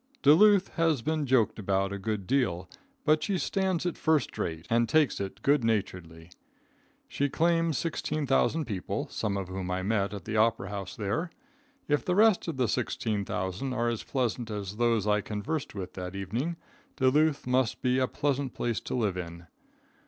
Duluth has been joked a good deal, but she stands it first rate and takes it good naturedly. She claims 16,000 people, some of whom I met at the opera house there. If the rest of the 16,000 are as pleasant as those I conversed with that evening, Duluth must be a pleasant place to live in.